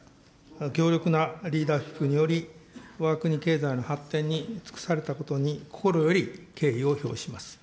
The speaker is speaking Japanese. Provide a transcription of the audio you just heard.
強力なリーダーシップにより、わが国経済の発展に尽くされたことに、心より敬意を表します。